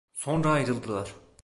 Sonra ayrıldılar.